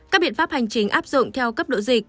các biện pháp hành chính áp dụng theo cấp độ dịch